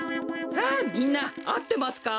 さあみんなあってますか？